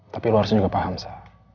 tapi lo harusnya juga paham sa